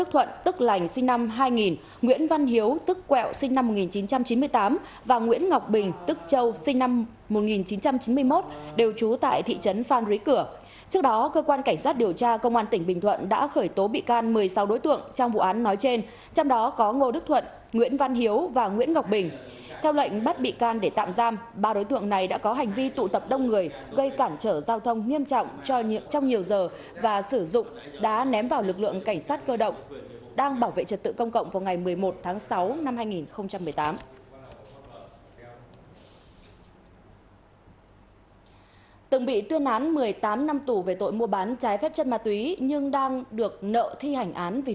hôm nay cơ quan cảnh sát điều tra công an tỉnh bình thuận cho biết vừa bắt tạm giam thêm ba đối tượng trong vụ án gây dối trật tự công cộng chống người thành công vụ và hủy hoại tài sản xảy ra vào ngày một mươi một tháng sáu năm hai nghìn một mươi bảy tại trụ sở đội cảnh sát phòng chế chữa trái phan rí